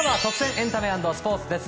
エンタメ＆スポーツです。